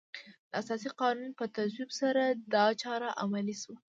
د اساسي قانون په تصویب سره دا چاره عملي شوه.